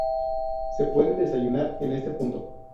Se puede desayunar en este punto.